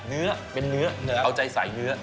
เนื้อเป็นเนื้อเอาใจใส่เนื้อ